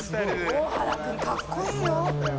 大原君かっこいいよ。